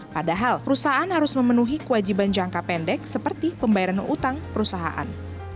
padahal perusahaan harus memenuhi kewajiban jangka pendek seperti pembayaran utang perusahaan